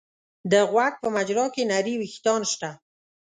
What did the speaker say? د غوږ په مجرا کې نري وېښتان شته.